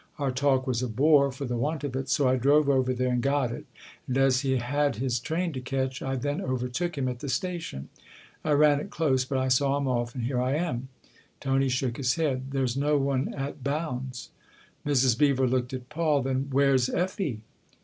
Our talk was a bore for the want of it, so I drove over there and got it, and, as he had his train to catch, I then overtook him at the station. I ran it close, but I saw him off; and here I am." Tony shook his head. " There's no one at Bounds." Mrs. Beever looked at Paul. "Then where's Effie